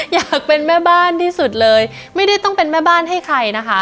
อยากเป็นแม่บ้านที่สุดเลยไม่ได้ต้องเป็นแม่บ้านให้ใครนะคะ